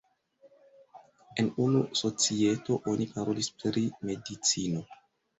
En unu societo oni parolis pri medicino.